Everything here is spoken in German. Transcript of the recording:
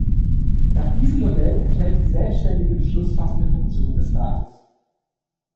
Nach diesem Modell entfällt die selbstständige beschlussfassende Funktion des Rates.